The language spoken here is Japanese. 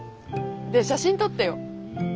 で写真撮ってよ。